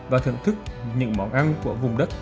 và thưởng thức những món ăn của vùng đất